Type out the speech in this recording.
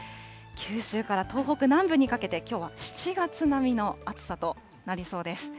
九州から東北南部にかけて、きょうは７月並みの暑さとなりそうです。